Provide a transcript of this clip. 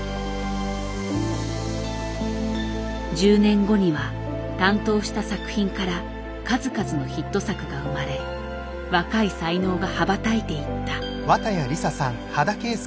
１０年後には担当した作品から数々のヒット作が生まれ若い才能が羽ばたいていった。